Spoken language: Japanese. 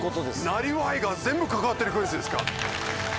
なりわいが全部関わってるクイズですか。